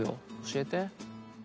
教えて」